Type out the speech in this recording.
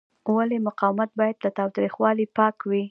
ولې مقاومت باید له تاوتریخوالي پاک وي؟